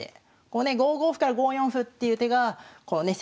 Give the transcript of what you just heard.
こうね５五歩から５四歩っていう手がこのね